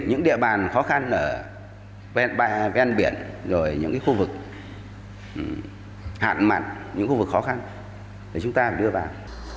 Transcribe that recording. những địa bàn khó khăn ở ven biển rồi những khu vực hạn mặn những khu vực khó khăn để chúng ta đưa vào